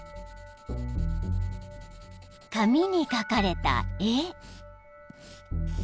［紙に描かれた絵］